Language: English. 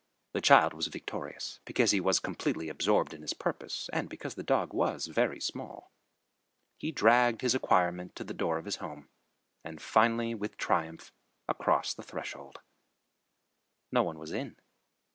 The child was victorious because he was completely absorbed in his purpose, and because the dog was very small. He dragged his acquirement to the door of his home, and finally with triumph across the threshold. No one was in.